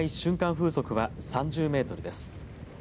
風速は３０メートルです。